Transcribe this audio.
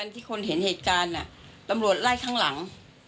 ที่คนเห็นเหตุการณ์ตำรวจไล่ข้างหลัง